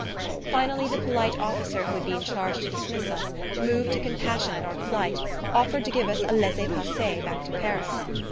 Finally the polite officer who had been charged to dismiss us, moved to compassion at our plight, offered to give us a laissez passer back to Paris.